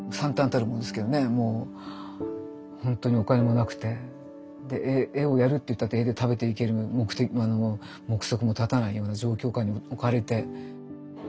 ほんとにお金もなくて絵をやるっていったって絵で食べていける目測も立たないような状況下に置かれて。